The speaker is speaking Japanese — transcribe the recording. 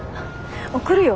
送るよ。